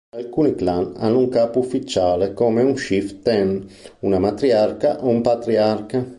Alcuni clan hanno un capo ufficiale come un "chieftain", una matriarca o un patriarca.